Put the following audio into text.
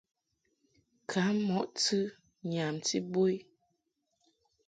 Kam mɔʼ tɨ nyamti bo i.